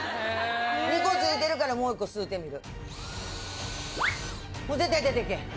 ２個付いてるからもう１個吸うてみる。